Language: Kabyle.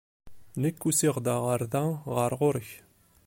Nekk usiɣ-d ɣer da, ɣer ɣur-k.